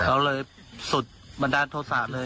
เอาเลยสุดบันดาลโทษศาสตร์เลย